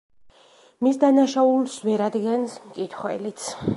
მის დანაშაულს ვერ ადგენს მკითხველიც.